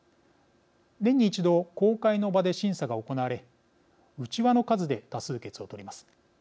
年に一度公開の場で審査が行われうちわの数で多数決を取ります。